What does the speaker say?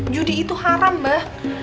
judi itu haram bah